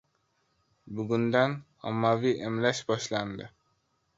Bugundan ommaviy emlash boshlandi